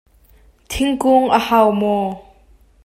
Thingkung a hau maw?